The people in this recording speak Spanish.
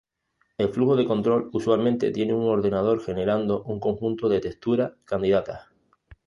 El flujo de control usualmente tiene un ordenador generando un conjunto de textura candidatas.